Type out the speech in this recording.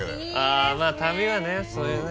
あまぁ旅はねそういうね。